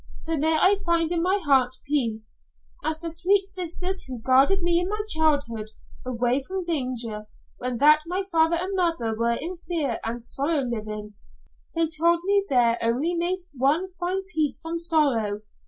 So may I find in my heart peace as the sweet sisters who guarded me in my childhood away from danger when that my father and mother were in fear and sorrow living they told me there only may one find peace from sorrow.